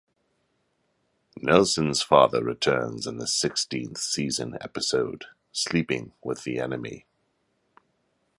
Nelson's father returns in the sixteenth season episode "Sleeping with the Enemy".